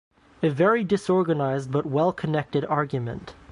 A very disorganized but well-connected argument.